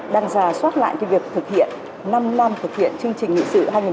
đang giả soát lại việc thực hiện năm năm thực hiện chương trình nghị sự hai nghìn ba mươi